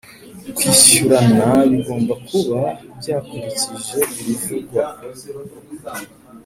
kwishyurana bigomba kuba byakurikije ibivugwa